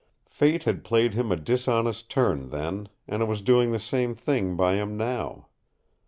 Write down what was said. Fate had played him a dishonest turn then, and it was doing the same thing by him now.